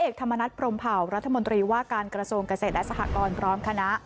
ร้อยเอกธรรมนัสพรมเผ่ารัฐมนตรีว่าการกระโซงเกษตรสหกรพร้อมคณะ